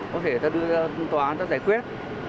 có thể sẽ tấn tố ra để giải quyết